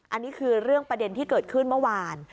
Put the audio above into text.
อันนี้คือเรื่องประเด็นที่เกิดขึ้นเมื่อวาน